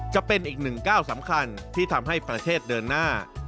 จะเป็นอีกหนึ่งก้าวสำคัญที่ทำให้ประเทศเดินหน้า